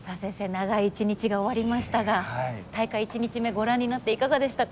長い一日が終わりましたが大会１日目ご覧になっていかがでしたか？